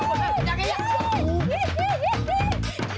jangan lagi jangan lagi